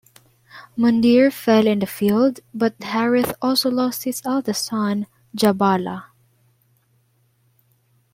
Mundhir fell in the field, but Harith also lost his eldest son Jabalah.